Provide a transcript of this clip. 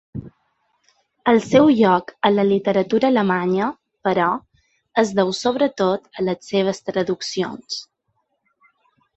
El seu lloc a la literatura alemanya, però, es deu sobretot a les seves traduccions.